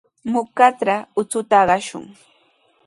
Mutrkatraw uchuta aqashun.